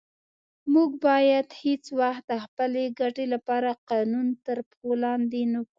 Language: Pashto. موږ باید هیڅ وخت د خپلې ګټې لپاره قانون تر پښو لاندې نه کړو.